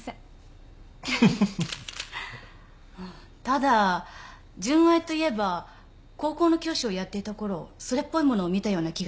ただ純愛といえば高校の教師をやっていたころそれっぽいものを見たような気がします。